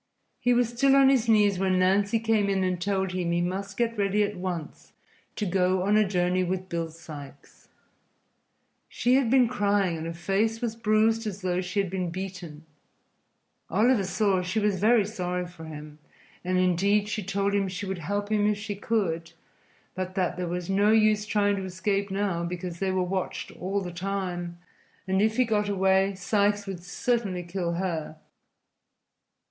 He was still on his knees when Nancy came in and told him he must get ready at once to go on a journey with Bill Sikes. She had been crying and her face was bruised as though she had been beaten. Oliver saw she was very sorry for him, and, indeed, she told him she would help him if she could, but that there was no use trying to escape now, because they were watched all the time, and if he got away Sikes would certainly kill her.